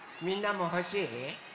みんなもほしい？